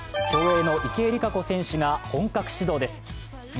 競泳の池江璃花子選手が本格始動です。